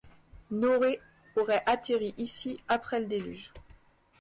Noé aurait atterri ici après le Déluge.